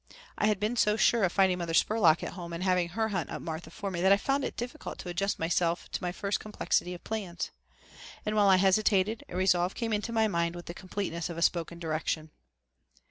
I had been so sure of finding Mother Spurlock at home and having her hunt up Martha for me that I found it difficult to adjust myself to my first complexity of plans. And while I hesitated a resolve came into my mind with the completeness of a spoken direction.